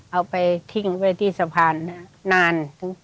เอาไปทิ้งไว้ที่สะพานนาน